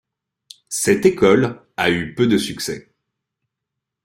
Cette école a eu peu de succès.